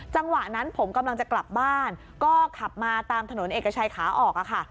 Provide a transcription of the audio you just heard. จังหวะนั้นผมกำลังจะกลับบ้านก็ขับมาตามถนนเอกชัยขาออกค่ะ